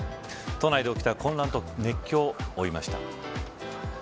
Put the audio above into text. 都内で起きた混乱と熱狂を追いました。